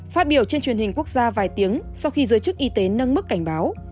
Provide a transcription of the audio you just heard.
phát biểu trên truyền hình quốc gia vài tiếng sau khi giới chức y tế nâng mức cảnh báo